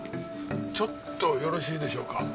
ちょっとよろしいでしょうか。